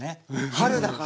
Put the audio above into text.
春だから。